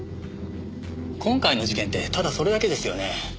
今回の事件ってただそれだけですよね？